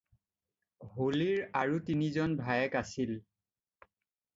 হলিৰ আৰু তিনিজন ভায়েক আছিল।